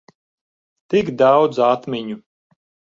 Tik daudz atmiņu.